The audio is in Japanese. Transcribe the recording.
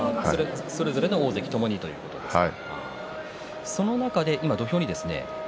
それぞれの大関ともにということですか。